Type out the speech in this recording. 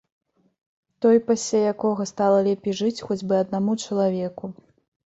Той пасля якога стала лепей жыць хоць бы аднаму чалавеку.